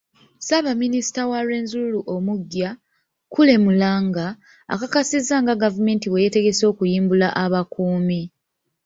Ssaabaminisita wa Rwenzururu omuggya, Kule Muranga, akakasizza nga gavumenti bwe yeetegese okuyimbula abakuumi.